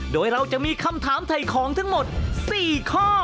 โดยเราจะมีคำถามถ่ายของทั้งหมด๔ข้อ